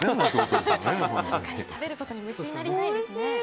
確かに食べることに夢中になりたいですね。